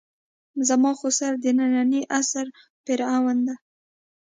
زما خُسر د نني عصر فرعون ده.